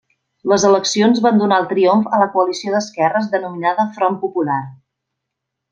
Les eleccions van donar el triomf a la coalició d'esquerres denominada Front Popular.